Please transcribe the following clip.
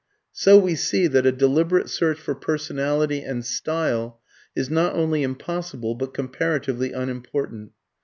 So we see that a deliberate search for personality and "style" is not only impossible, but comparatively unimportant.